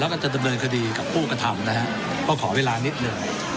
แล้วก็จะดำเนินคดีกับผู้กระทำนะฮะก็ขอเวลานิดหนึ่ง